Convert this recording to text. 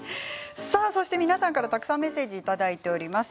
皆さんからたくさんメッセージが届いています。